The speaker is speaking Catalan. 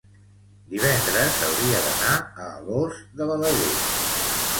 divendres hauria d'anar a Alòs de Balaguer.